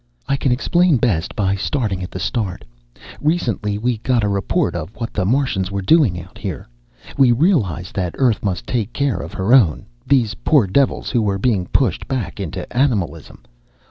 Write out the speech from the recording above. "I can explain best by starting at the start. Recently we got a report of what the Martians were doing out here. We realized that Earth must take care of her own, these poor devils who were being pushed back into animalism.